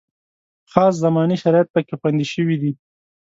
خاص زماني شرایط پکې خوندي شوي دي.